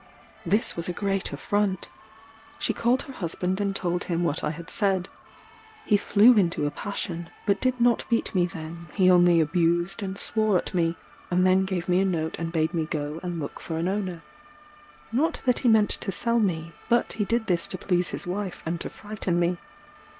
This was a great affront. She called her husband and told him what I had said. He flew into a passion: but did not beat me then; he only abused and swore at me; and then gave me a note and bade me go and look for an owner. Not that he meant to sell me; but he did this to please his wife and to frighten me.